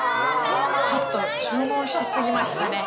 ちょっと注文しすぎましたね。